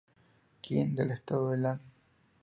Kim, del estado de Lane.